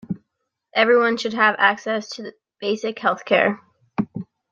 Everyone should have access to basic health-care.